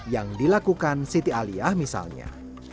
yang dilakukan siti aliyah misalnya